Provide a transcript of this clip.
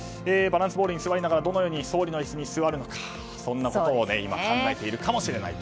バランスボールに座りながらどのように総理の椅子に座るのかそんなことを今考えているかもしれません。